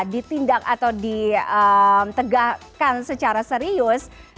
ditindak atau ditegakkan secara serius